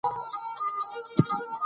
دا سیستم پرمختللی دی.